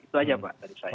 itu aja pak dari saya